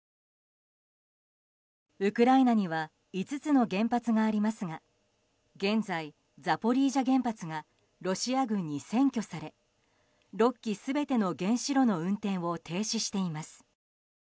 ウクライナには５つの原発がありますが現在、ザポリージャ原発がロシア軍に占拠され６基全ての原子炉の運転を停止しています。